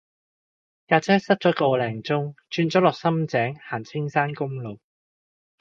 架車塞咗個零鐘轉咗落深井行青山公路